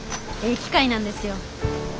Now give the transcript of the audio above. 機械なんですよ。